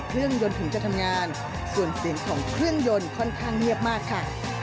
ยนต์ถึงจะทำงานส่วนเสียงของเครื่องยนต์ค่อนข้างเงียบมากค่ะ